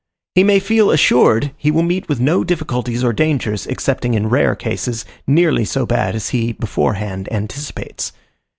He may feel assured, he will meet with no difficulties or dangers, excepting in rare cases, nearly so bad as he beforehand anticipates.